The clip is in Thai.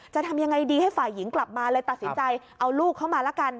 จะทำยังไงดีให้ฝ่ายหญิงกลับมาเลยตัดสินใจเอาลูกเข้ามาละกัน